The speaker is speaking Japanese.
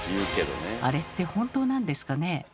あれって本当なんですかね？